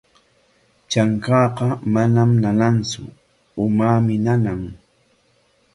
Trankaaqa manam nanantsu, umaami nana.